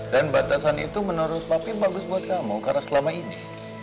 dan batasan itu menurut papi bagus buat kamu karena selama ini